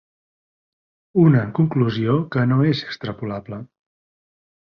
Una conclusió que no és extrapolable.